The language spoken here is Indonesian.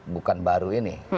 bukan baru ini